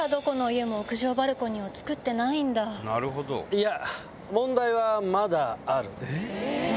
いや！